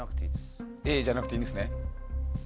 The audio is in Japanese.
Ａじゃなくていいんですね。